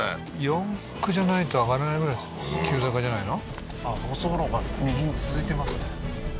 四駆じゃないと上がらないぐらい急坂じゃないの？